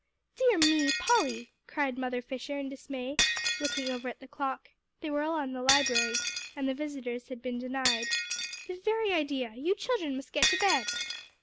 "Dear me! Polly," cried Mother Fisher in dismay, looking over at the clock they were all in the library, and all visitors had been denied "the very idea! you children must get to bed."